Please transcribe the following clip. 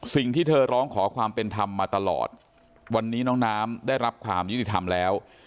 สิ่งที่เธอร้องขอความเป็นธรรมมาตลอดวันนี้น้องน้ำได้รับความยุติธรรมแล้ว